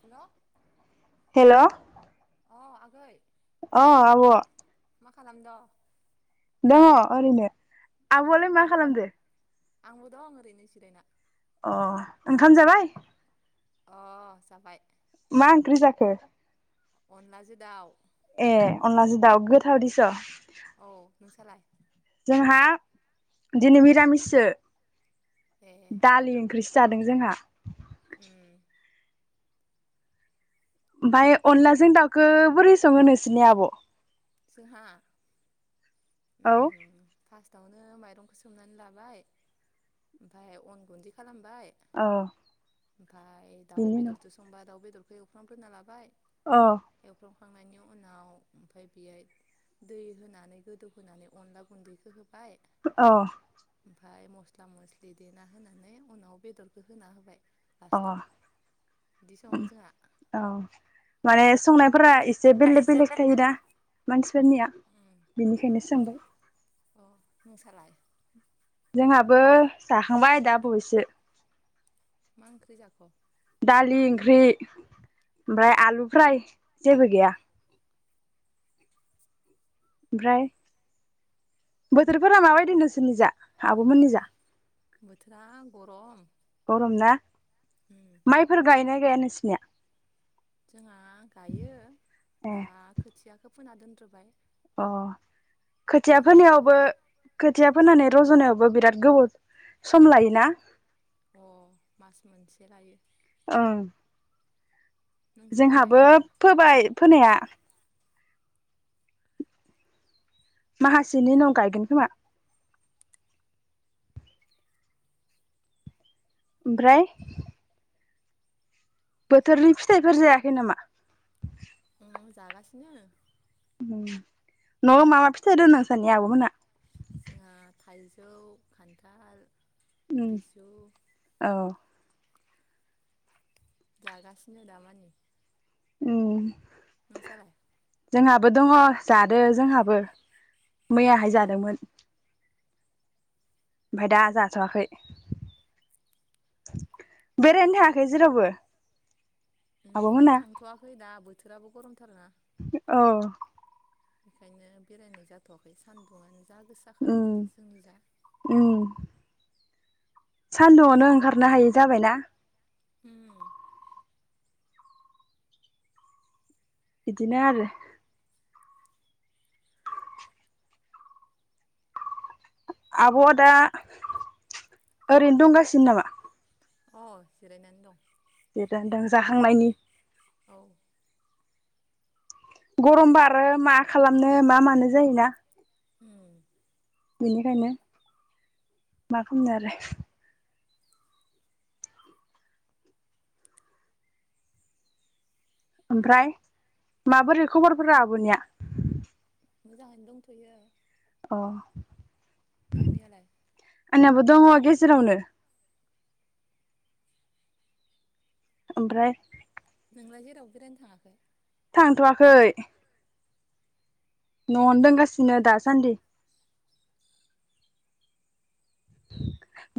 हेल' hello. अ आगै अ आब' मा खालामद'? दङ ओरैनो। ए आब'आलाय मा ओंखाम जाब खालामदो? आंबो दं ओरैनो जिरायना। अ ओंखाम जाबाय? अ जाबाय। मा ओंख्रि जाखो? अनलाजों दाउ ए अनलाजों दाव गोथाव दिस औ नोंसालाय? जोंहा दिनै मिरामिससो। ए दालि ओंख्रिस जादों जोंहा। उम ओमफ्राय अनलाजों दाउखो बोरै सङो नोंसोरनि आब'? जोंहा औ उम फास्टावनो नो माइरंखौ सोमनानै लाबाय ओमफ्राय अन गुनदै खालामब औ ओमफाय दाउ बिनि उनाव बेदरदो संबा दाउ बेदरखौ एवफ्राम ग्रोना लाबाय। अ एवखांनायनि उनाव ओमफ्राय बेहाय दै होनानै गोदौहोनानै अनला गुन्दैखौ होबाय। औ ओमफाय मस्ला मस्लि देना होनानै उनाव बेदरखौ होना होबाय अ लास्टआव बिदि सङो जोंहा। औ माने संनायफोरा इस से बेलेक एसे बेलेक बेल थायोना? मानसिफोरनिया उम बेनिखायनोसो सोंबाय? अ नोंसालाय? जोंहाबो जाखांबाय दा बावैसो। मा ओंख्रि जाख'? [unintelligible] ओमफाय आलु फ्राय जेबो गैया। ओमफ्राय बोथोरफोरा माबायदि नोंसोरनि जा आब'मोननि जा? बोथोरा गरम गरम ना उम माइफोर गायना गाया नों सिनिया? जोंहा गायो दा ए खोथियाखौ फुना दोनद्रोबाय। अ खोथिया फोनायावबो जाथ'वाखै खोथिया फोनानै रजनायावबो बिराद गोबाव सम लायोना? अ मास मोनसे लायो। ओं। नोंसालाय जोंहाबो गायना गाया फोबाय फोनाया। माहासेनि उनाव गायगोन खोमा। ओमफ्राय बोथोरनि फिथाइफोर जायाखै नामा? अ जागासिनो। न'आव माबा फिथाइ द नोंसानि आब'मोनहा? जोंहा थाइजौ खान्थाल उम लिसु औ जागासिनो दामानि। उम। नोंसालाय? जोंहाबो दङ जादो जोंहाबो मैयाहाय जादोंमोन। ओमफाय दा जाथ'वाखै बेरायनो थायाखै जेरावबो? उम आब'मोना थांथ'वाखै दा बो थोराबो गरमथार ना। औ। बेखायनो बेरायनाय जाथ'वाखै सान्दुङानो जा गोसाखा उम जोंनि इजा। उम सानदुंआवनो ओंखारनो हायि जाबायना? होम। बिदिनो आरो। आब'आ दा ओरैनो दंगासिनो नामा? अ जिरायनानै दं। जिरायनानै दं जाखांनायनि। औ गरमबा आरो मा खालामनो मा मानो जायोना? उम बेनिखायनो मा खामनो आरो। ओमफ्राय माबोरै खबरफोरा आब'निया? मोजाङैनो दंथ'यो। अ नोंनियालाय? आंनाबो दङ गेजेरावनो। ओमफ्राय नोंलाय जेरावबो बेरायनो थाङाखै? थांथ'वाखै। न'आवनो दंगासिनो दासान्दि।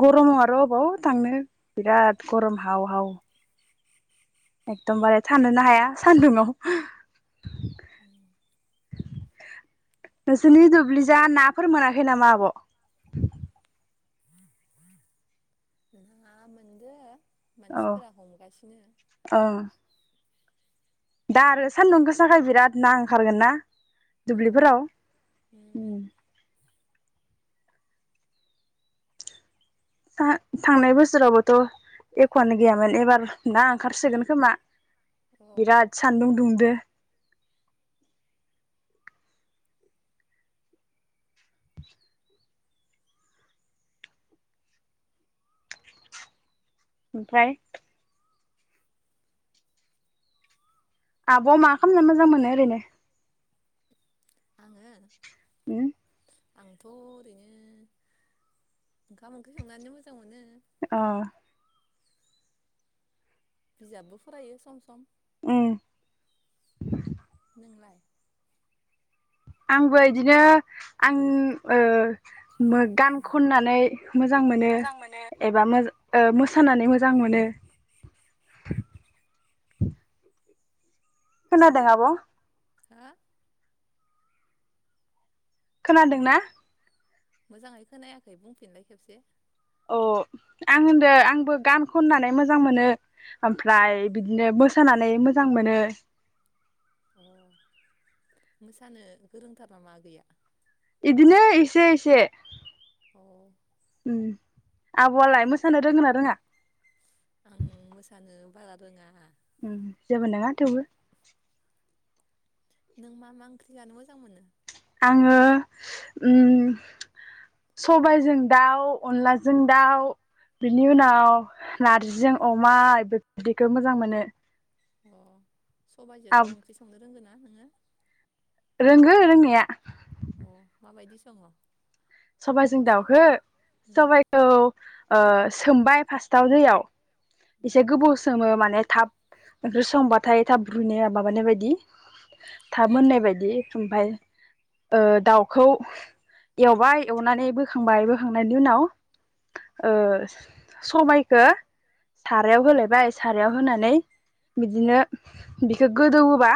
गरमाव आरो अबाव थांनो। बिराद गरम हाव हाव। एकदमबारे थानोनो हाया सान्दुंआव। [inaudible] नोंसोरनि दुब्लिजा नाफोर मोनाखै नामा आब'? ना मोनदो। औ मानसिफोरा हमगासिनो ओं दा आरो सान्दुं गोसाखाय बिराद ना ओंखारगोन ना? औ दुब्लिफोराव उम था थांनाय बोसोरावबोथ' एक'आनो गैयामोन एबार ना ओंखारसोगोन खोमा। औ बिराद सान्दुं दुंदो। [inaudible] ओमफ्राय आब' मा खालामना मोजां मोनो ओरैनो। आङो उम। आंथ' अ बिजाबबो फरायो सम सम उ। नोंलाय आंबो बिदिनो आं ओ गान खन मोजां मोनो मोसानानै मोजां मोनो खोनादोंआब'। हो खोनादोंना? मोजाङै खोनायाखै बुंफिनलाय खेबसे अ आं होनदों आंबो गान खननानै मोजां मोनो ओमफ्राय बिदिनो मोसानानै मोजां मोनो [inaudible] अ। इदिनो औ। आबौआलाय मोसानो रोंगोना रोङा? आं मोसानो बारा रोङा। जेबो नङा थेवबो नों मा मा ओंख्रि जानो मोजां मोनो? आङो ओ औ। साइाजजों दउ ओंख्रि संनो रोंगो ना। मा होनङो रोंङो रोंनाया। अ माबायदि सङ'? सबाइजों दाउखो सबाइखौ ओ सोमबाय फासताव दैयाव इसे गोबाव सोमो माने थाब ओंख्रि संबाथाय थाब रुनाय माबानाय बायदि थाब मोननाय बायदि ओमफफ्राय ओ दाउखौ एवबाय एवनानै बोखांबाय बोखांनायनि उनाव ओ सबायखौ सारायाव होलायबाय सारायाव होनानै बिदिनो बिखौ गोदौबा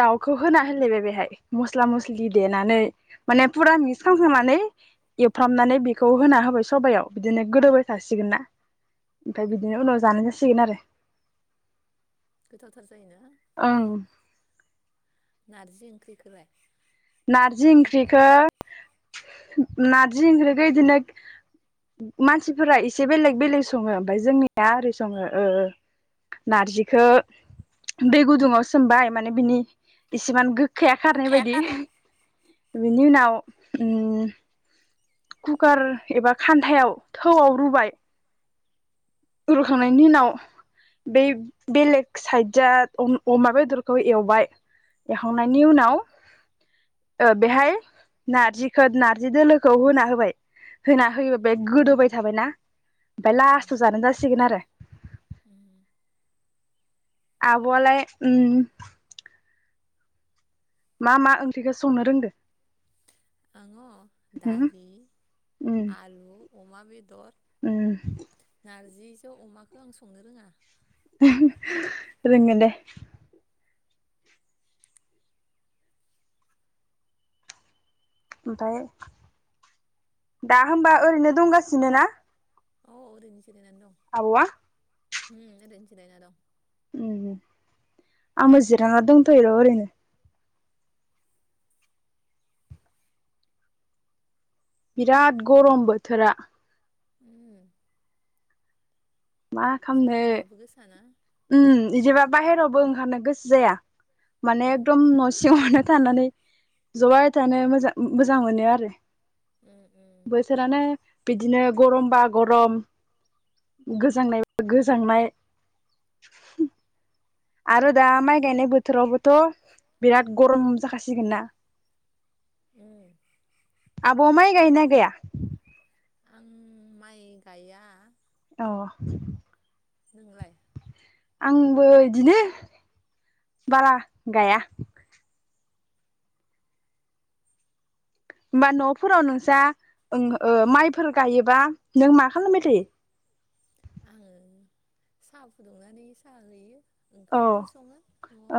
दाउखौ होना होलायबाय बेहाय मस्ला मस्लि देनानै माने पुरा मिक्स खालामखांनानै एवफ्रामनानै बेखौ होना होबाय सबायाव बिदिनो गोदौाय थासिगोन ना ओमफ्राय उम बिदिनो उनाव जानाय जासिगोन आरो गोथावथार जायोना ओं नारजि ओंख्रिखौलाइ नारजि ओंख्रिखो नार्जि ओंख्रिखो इदिनो मानसिफोरा एसे बेलेग बेलेग सङो ओमफ्राय जोंनिया ओरै सङो ओ नारजिखौ दै गुदुङाव सोमबाय माने बिनि इसेमान गोखाया खारनाय बायदि बिनि उनाव कुकार एबा खान्थायाव थौआव रुबाय ररुखांनायनि उनाव बेै बेलेग साइद जा अमा बेदरखौ एवबाय एवखांनायनि उनाव ओ बेहाय नारजिखौ नार्जि दोलोखौ होना होबाय होना होयो बे गोदाय थाबायना बेओमफाय उम लास्टाव जानो जास सिगोन आरो उम आब'आलाय उम मा मा ओंख्रिखौ संनो रोंदो? आङो उम दालि आलु अमा बेदर उं नारजिजो अमाखौ आं संनो रोङा रोंगोन दे ओमफ्राय दा होमबा ओरैनो दंगासिनो ना? औ ओरैनोसो जिरायनानै आब'आ दं उम ओरैनो जिरायना दं आंबो जिरायना दंथ'योर' ओरैनो बिराद गरम बोथोरा उं मा खालामनो गोसाना उम इदिबा बाहेरावबो ओं खानो गोसो जाया माने औ एकदम उम न' सिङावनो थानानै जबाय थानो मोजा-मोजां मोनो आरो उम बोथोरानो बिद बिदिनो गरमबा गरम गोजांनायबा गोजांनाय आरो दा माइ गायनाय बोथोरावबोथ' बिराद गरम जाखासिगोन ना उम [inaudible] आब' माय गायोना गाया? आं माइ गायया औ नोंलाय? आंबो बिदिनो बारा गाया होमबा न'फोराव नोंस्रा ओं ओ माइफोर गायोबा नों मा खालामबाय थायो? [inaudible] औ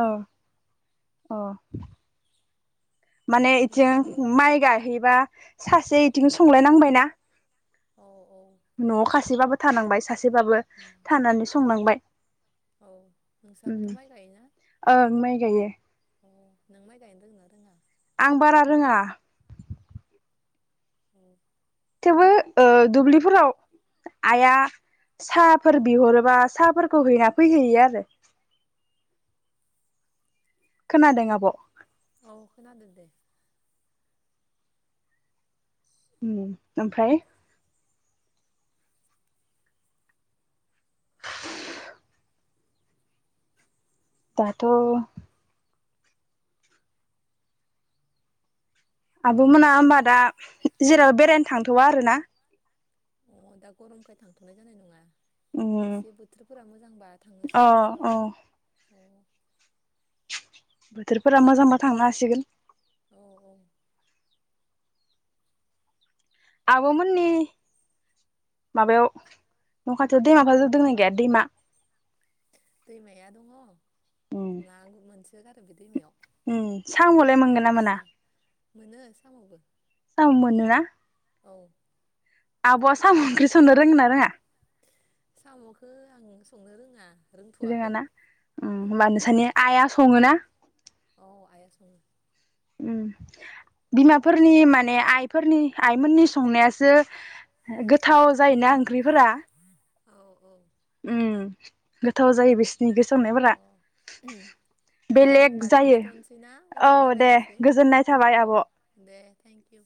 औ [inaudible] माने नोंसाबो बिथिं माइ गायहैबा सासे इथिं संलायनांबायना औ औ न'आव खासिबाबो थानांबाय सासे एसेबाबो उम थानानै संनांबाय औ उम नोंस्राबोथ' माइ गायोना? ओं माइ गायो [inaudible] आं बारा रोङा [inaudible] थेवबो ओ दुब्लिफोराव आइआ साहाफोर बिहरोबा साहाफोरखौ हैना फैहैयो आरो खोनादों आब' औ खोनादों दे ओम ओमफ्राय? [inaudible] दाथ' आब' मोना होमबा दा जेरावबो बेरायनो थांथ'वा आरोना? [inaudible] उम अ [inaudible] अ [inaudible] बोथोरफोरा मोजांबा थांनो हासिगोन औ औ आब' मोननि माबायाव न'खाथियाव दैमा दंना गैया दैमा? दैमाया दङ ना [inaudible] ओम साम'लाय दैमायाव मोनगोन ना मोना? गुरसोयो [inaudible] साम' मोनोना? औ आब'आ साम' ओंख्रि संनो रोङोना रोङा? साम'खौ आं संनो रोङा रोंथ'वाखै रोङाना ओम औ होमबा नोंसानि नोंलाय आइआ सङो ना? औ आइआ सङो ओम बिमाफोरनि माने आइफोरनि आइमोननि संनायासो गोथाव जायोना ओंख्रिफोरा। औ औ ओम गोथाव जायो बेसो अ ओम दे बेलेग होनबा जायो लाखिथ'नोसैना उनाव औ दे राय्लायनोसै गोजोननाय अ थाबाय आब' दे थेंकिउ।